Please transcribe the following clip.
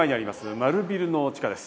丸ビルの地下です。